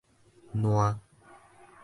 涎